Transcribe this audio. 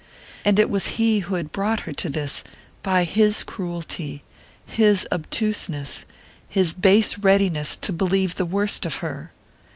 And it was he who had brought her to this by his cruelty, his obtuseness, his base readiness to believe the worst of her!